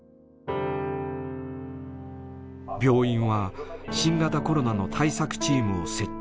病院は新型コロナの対策チームを設置。